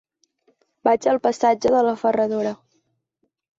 Vaig al passatge de la Ferradura.